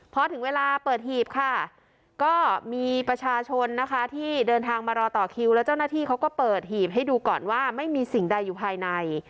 พอถึงเวลาเปิดหีบค่ะก็มีประชาชนนะคะที่เดินทางมารอต่อคิวแล้วเจ้าหน้าที่เขาก็เปิดหีบให้ดูก่อนว่าไม่มีสิ่งใดอยู่ภายใน